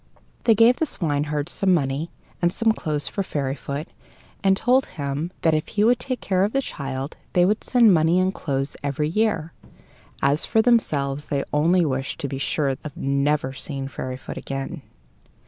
They gave the swineherd some money, and some clothes for Fairyfoot, and told him, that if he would take care of the child, they would send money and clothes every year. As for themselves, they only wished to be sure of never seeing Fairyfoot again.